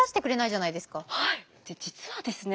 実はですね